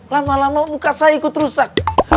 lama lama muka saya ikut rusak